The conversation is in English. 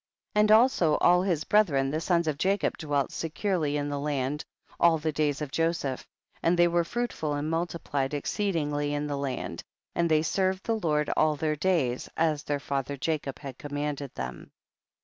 13. And also all his brethren the sons of Jacob dwelt securely in the land, all the days of Joseph, and they were fruitful and multiplied exceed ingly in the land, and they served the Lord all their days, as their father Jacob had commanded them.